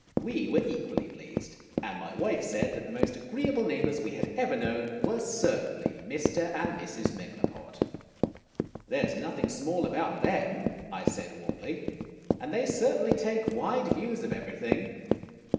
We were equally pleased, and my wife said that the most agree able neighbors we had ever known were certainly Mr. and Mrs. Megalopod. , GOOD BY TO THE MEGALOPODS. "There is nothing small about them," I said, warmly, "and they certainly take wide views of everything."